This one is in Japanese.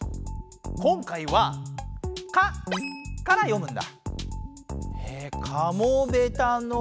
今回は「か」から読むんだ。